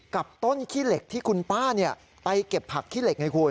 กับต้นขี้เหล็กที่คุณป้าไปเก็บผักขี้เหล็กไงคุณ